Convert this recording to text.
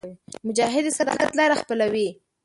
مجاهد د صداقت لاره خپلوي.